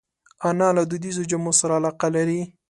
انا له دودیزو جامو سره علاقه لري